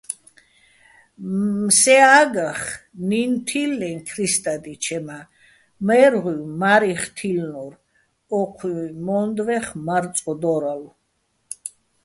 სე ა́გახ ნინო̆ თილლეჼ ქრისტადჲიჩე, მა́ მაჲრღუჲვ "მა́რიხო̆" თილლნო́რ, ო́ჴუჲ მო́ნდვეხ "მა́რწყო̆" დო́რალო̆.